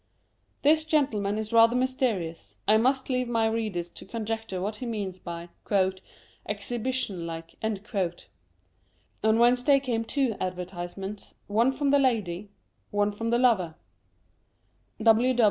This gentleman is rather mysterious : I must leave my readers to conjecture what he means by " Exhibition like." On Wednesday came two adver tisements, one from the lady — one from the lover.